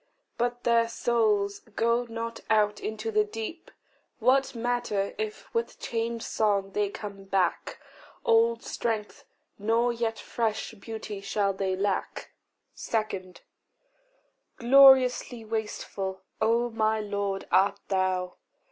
But their souls go not out into the deep. What matter if with changed song they come back? Old strength nor yet fresh beauty shall they lack. 2. Gloriously wasteful, O my Lord, art thou!